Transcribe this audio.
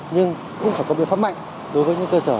nhưng cũng sẽ có biểu pháp mạnh đối với những cơ sở